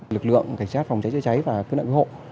lực lượng cảnh sát phòng cháy chơi cháy và khuyến đoạn quý hộ